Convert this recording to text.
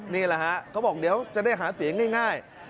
นี่แหละฮะเขาบอกเดี๋ยวจะได้หาเสียงง่าย